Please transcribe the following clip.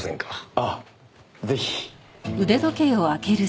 ああぜひ。